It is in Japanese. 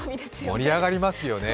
盛り上がりますよね。